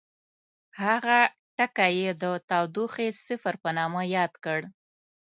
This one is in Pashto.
هغه ټکی یې د تودوخې صفر په نامه یاد کړ.